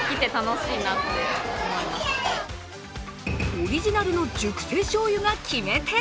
オリジナルの熟成醤油が決め手。